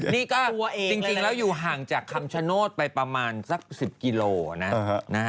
นี่ก็จริงแล้วอยู่ห่างจากคำชโนธไปประมาณสัก๑๐กิโลนะ